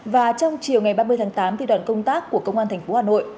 và trong chiều ngày ba mươi tháng tám đoàn công tác của công an thành phố hà nội